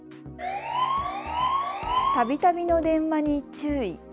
たびたびの電話に注意。